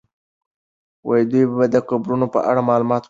دوی به د قبرونو په اړه معلومات ورکولې.